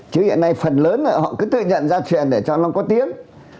chứ hiện nay phần lớn họ cứ tự nhận gia truyền để cho nó có tiếng